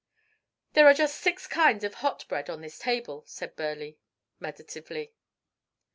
"There are just six kinds of hot bread on this table," said Burleigh, meditatively.